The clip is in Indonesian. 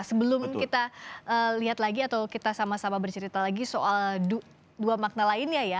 sebelum kita lihat lagi atau kita sama sama bercerita lagi soal dua makna lainnya ya